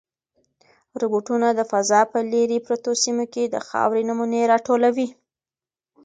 روبوټونه د فضا په لیرې پرتو سیمو کې د خاورې نمونې راټولوي.